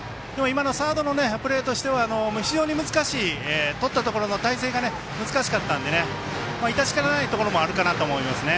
サードのプレーとしては非常に難しいとったところの態勢が難しかったんで致し方ないところもあるかなと思います。